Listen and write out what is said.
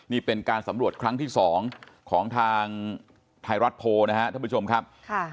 นี่เป็นการสำรวจครั้งที่๒ของทางธารัฐโภนุษย์นะฮะท่านผู้ชมครับ